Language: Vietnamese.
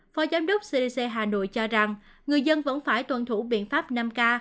phó giám đốc cdc hà nội cho rằng người dân vẫn phải tuân thủ biện pháp năm k